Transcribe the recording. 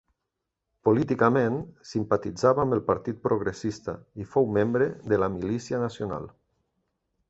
Políticament, simpatitzava amb el Partit Progressista i fou membre de la Milícia Nacional.